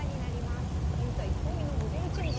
「天才驚異のモデルチェンジ？」。